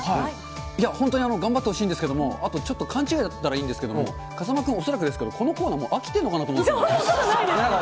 いや、本当に頑張ってほしいんですけど、あとちょっと勘違いだったらいいんですけど、風間君、恐らくですけど、このコーナー、もう飽きてそんなことないです。